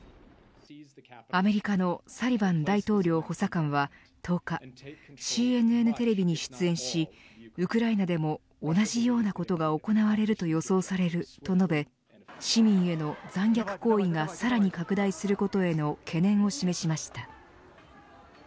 アメリカのサリバン大統領補佐官は、１０日ＣＮＮテレビに出演しウクライナでも同じようなことが行われると予想されると述べ市民への残虐行為がさらに拡大することへの懸念を示しました。